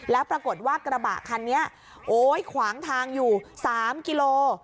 แล้วปรากฏว่ากระบะคันนี้โอ๊ยขวางทางอยู่๓กิโล